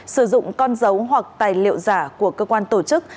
sử dụng con dấu hoặc tài liệu giả của cơ quan tổ chức